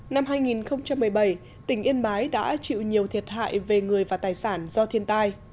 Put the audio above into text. năm hai nghìn một mươi bảy tỉnh yên bái đã chịu nhiều thiệt hại về người và tài sản do thiên tai